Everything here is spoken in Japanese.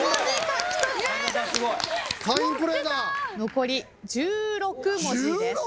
残り１６文字です。